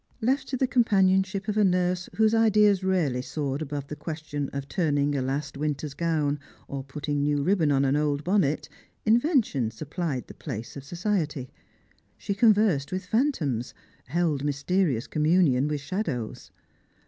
Left to the companionship of a nurse whose ideas rarely soared above the question of turning a last winter's gown, or putting new ribbon on an old bonnet, invention supj^lied the place of society. She conversed with phantoms, held mysterious communion with shadows.